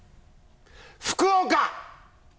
福岡！